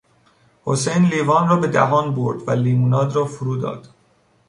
حسین لیوان را به دهان برد و لیموناد را فرو داد.